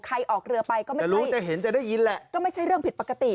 ออกเรือไปก็ไม่รู้จะรู้จะเห็นจะได้ยินแหละก็ไม่ใช่เรื่องผิดปกติ